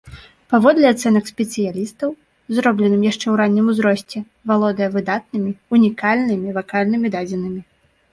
Паводле ацэнак спецыялістаў, зробленым яшчэ ў раннім ўзросце, валодае выдатнымі, унікальнымі вакальнымі дадзенымі.